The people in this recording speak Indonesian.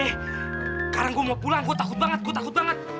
eh sekarang gue mau pulang gue takut banget gue takut banget